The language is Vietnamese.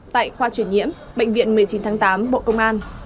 tại khoa chuyển nhiễm bệnh viện một mươi chín tháng tám bộ công an